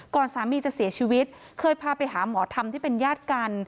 สามีจะเสียชีวิตเคยพาไปหาหมอธรรมที่เป็นญาติกัน